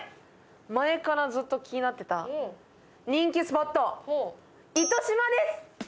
前からずっと気になってた人気スポット糸島です！